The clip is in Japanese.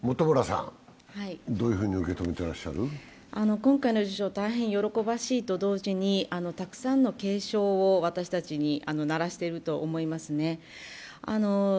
今回の受賞、大変喜ばしいと同時にたくさんの警鐘を私たちに鳴らしていると思います。